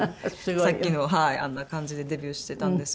さっきのあんな感じでデビューしてたんですけども。